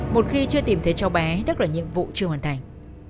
một khi chưa tìm thấy cháu bé đức là nhiệm vụ chưa hoàn thành